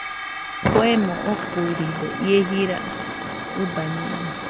Kuemo okuiride, ie jira ɨbañede.